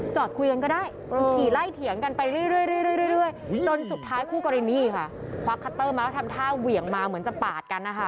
จนสุดท้ายคู่กรณีค่ะเขาเอาคัตเตอร์มาแล้วทำทางเหวี่ยงมาเหมือนจะปาดกันนะคะ